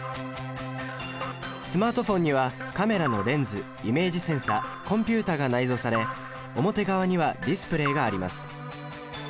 スマートフォンにはカメラのレンズイメージセンサコンピュータが内蔵され表側にはディスプレイがあります。